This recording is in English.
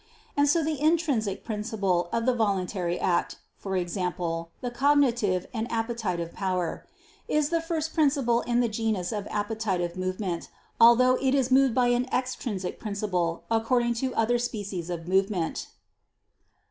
And so the intrinsic principle of the voluntary act, i.e. the cognitive and appetitive power, is the first principle in the genus of appetitive movement, although it is moved by an extrinsic principle according to other species of movement.